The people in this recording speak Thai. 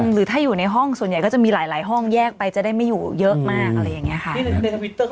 หรือถ้าอยู่ในห้องส่วนใหญ่ก็จะมีหลายห้องแยกไปจะได้ไม่อยู่เยอะมาก